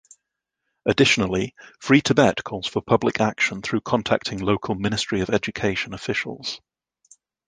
Additionally, Free Tibet calls for public action through contacting local Ministry of Education officials.